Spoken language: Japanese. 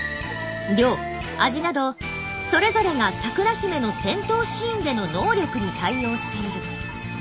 量味などそれぞれがサクナヒメの戦闘シーンでの能力に対応している。